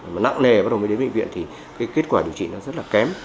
mà nặng nề bắt đầu mới đến bệnh viện thì cái kết quả điều trị nó rất là kém